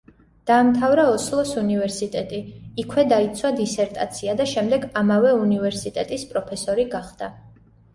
დაამთავრა ოსლოს უნივერსიტეტი, იქვე დაიცვა დისერტაცია და შემდეგ ამავე უნივერსიტეტის პროფესორი გახდა.